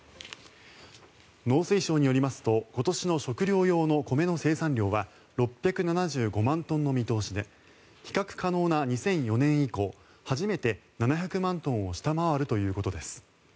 農水省によりますと今年の食料用の米の生産量は６７５万トンの見通しで比較可能な２００４年以降初めて７００万トンを下回るということです。